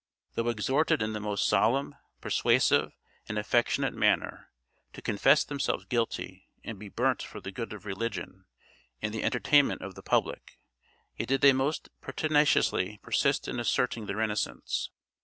Though exhorted in the most solemn, persuasive and affectionate manner, to confess themselves guilty, and be burnt for the good of religion, and the entertainment of the public, yet did they most pertinaciously persist in asserting their innocence.